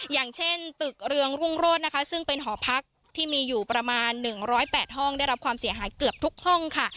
อย่างเช่นตึกเรืองรุ่งโรศนะคะซึ่งเป็นหอพักที่มีอยู่ประมาณ๑๐๘ห้องได้รับความเสียหายเกือบทุกห้องค่ะ